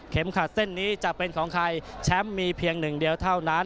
ขัดเส้นนี้จะเป็นของใครแชมป์มีเพียงหนึ่งเดียวเท่านั้น